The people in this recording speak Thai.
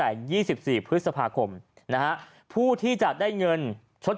โป่งแร่ตำบลพฤศจิตภัณฑ์